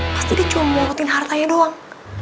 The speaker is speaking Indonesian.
pasti dia cuma mau ngelakuin hartanya doang